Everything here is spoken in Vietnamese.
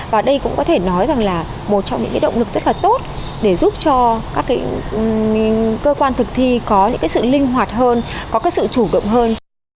và đây cũng có thể nói rằng là một trong những động lực rất là tốt để giúp cho các cơ quan thực thi có những cái sự linh hoạt hơn có sự chủ động hơn